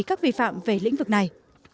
các vi phạm về lĩnh vực này